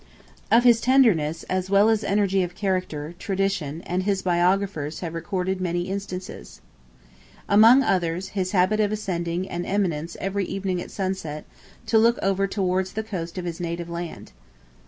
Of his tenderness, as well as energy of character, tradition, and his biographers have recorded many instances. Among others, his habit of ascending an eminence every evening at sunset, to look over towards the coast of his native land.